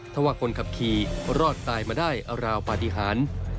ถ้าว่าคนขับขี่รอดตายมาได้ราวปฏิหาร